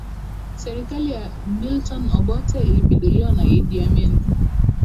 serikali ya milton obote ilipinduliwa na iddi amin